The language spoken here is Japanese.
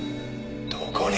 どこに？